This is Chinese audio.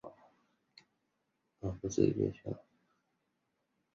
这段期间是荷兰省分系统非常混乱的时期。